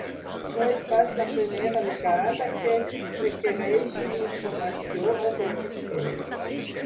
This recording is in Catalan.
No és pas la primera vegada que requereixen informació al consistori.